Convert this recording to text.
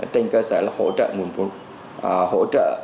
trên cơ sở là hỗ trợ nguồn phú